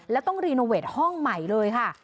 แล้วต้องรีโนเวทห้องใหม่เลยค่ะ